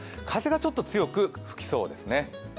風がちょっと強く吹きそうですね。